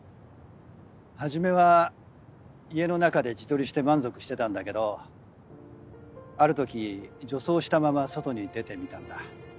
初めは家の中で自撮りして満足してたんだけどあるとき女装したまま外に出てみたんだ。